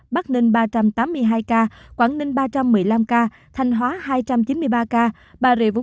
bắc ninh ba trăm tám mươi hai ca quảng ninh ba trăm một mươi năm ca thành hóa hai trăm chín mươi ba ca bà rịa bốn trăm tám mươi ba ca